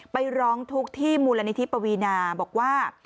ไปร้องทุกข์ที่มูลนิธิปวีนาบอกว่า